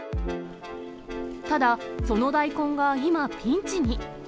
ただ、その大根が今、ピンチに。